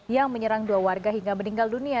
yang menyerang dua warga hingga meninggal dunia